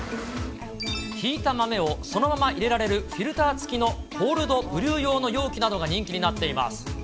ひいた豆をそのまま入れられるフィルター付きのコールドブリュー用の容器などが人気になっています。